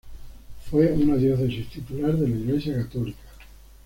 Fue una diócesis titular de la Iglesia católica.